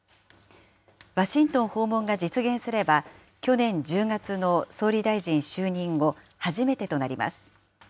ワシントン訪問が実現すれば、去年１０月の総理大臣就任後初めてとなります。